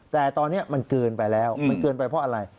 แต่ตอนนี้มันเกินไปแล้วมันเกินไปเพราะอะไร